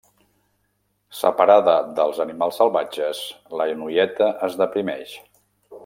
Separada dels animals salvatges, la noieta es deprimeix.